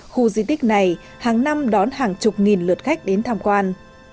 khu di tích này hàng năm đón hàng chục nghìn lượt khách đến tham quan